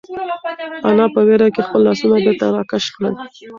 انا په وېره کې خپل لاسونه بېرته راکش کړل.